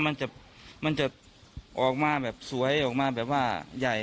มันจะออกมาแบบสวยออกมาแบบว่าใหญ่